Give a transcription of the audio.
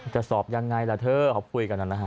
จะสอบอย่างไรล่ะเธอเขาคุยกันแล้วนะคะ